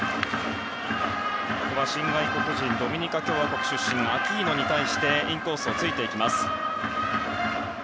ここは、新外国人ドミニカ共和国出身のアキーノに対してインコースを突いていきます。